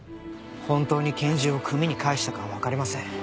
本当に拳銃を組に返したかはわかりません。